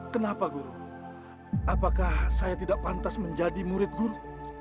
kenapa guru apakah saya tidak pantas menjadi murid guru